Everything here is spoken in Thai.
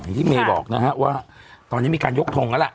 ที่เมย์บอกนะฮะว่าตอนนี้มีการยกทงแล้วล่ะ